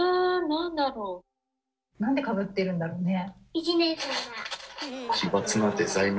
なんでかぶってるんだろうね。